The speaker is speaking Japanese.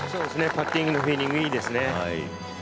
パッティングのフィーリング、いいですね。